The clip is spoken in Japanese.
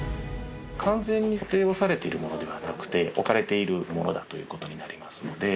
完全に固定をされているものではなくて置かれているものだという事になりますので。